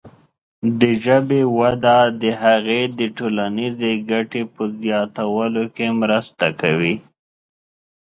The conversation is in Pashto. د ژبې وده د هغې د ټولنیزې ګټې په زیاتولو کې مرسته کوي.